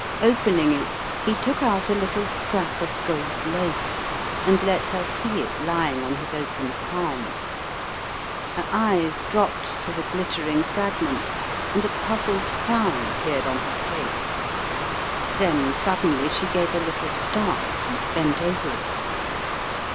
Opening it, he took out a little scrap of gold lace and let her see it lying on his open palm. Her eyes dropped to the glittering fragment and a puzzled frown appeared on her face. Then suddenly she gave a little start and bent over it.